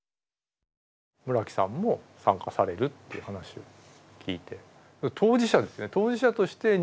村木さんも参加されるっていう話を聞いて。